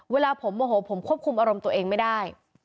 เวลาผมโมโหผมควบคุมอารมณ์ตัวเองไม่ได้